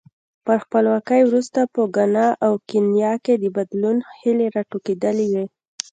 تر خپلواکۍ وروسته په ګانا او کینیا کې د بدلون هیلې راټوکېدلې وې.